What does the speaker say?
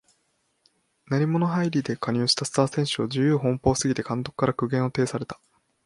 鳴り物入りで加入したスター選手が自由奔放すぎて監督から苦言を呈された